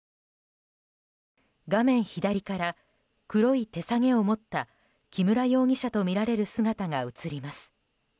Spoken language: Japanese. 画面左から、黒い手提げを持った木村容疑者とみられる姿が映ります。